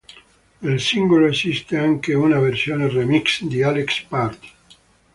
Del singolo esiste anche una versione remix di Alex Party.